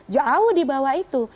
jauh di bawah itu